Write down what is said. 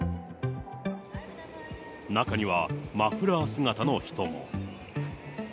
中には、マフラー姿の人も。